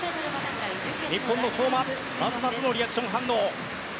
日本の相馬、まずまずのリアクション反応。